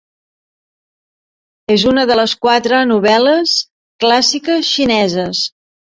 És una de les quatre novel·les clàssiques xineses.